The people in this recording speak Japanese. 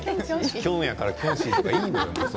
キョンだからキョンシーはいいのよ。